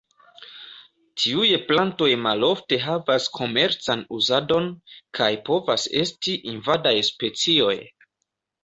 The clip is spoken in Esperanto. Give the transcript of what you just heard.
Tiuj plantoj malofte havas komercan uzadon, kaj povas esti invadaj specioj.